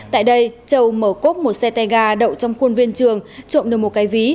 tại đây châu mở cốp một xe tay ga đậu trong khuôn viên trường trộm được một cái ví